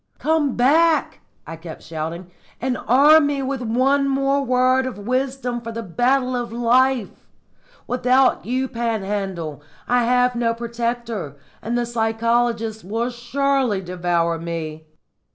"Come back," I kept shouting, "and arm me with one more word of wisdom for the battle of life! Without you, Panhandle, I have no protector, and the psychologists will surely devour me."